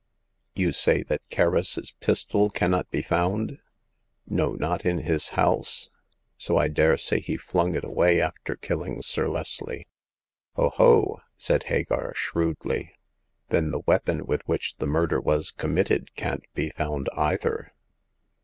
" You say that Kerris's pistol cannot be found ?"" No, not in his house ; so I daresay he flung it away after killing Sir Leslie." '* Oh, ho !" said Hagar, shrewdly, " then the weapon with which the murder was committed can't be found either."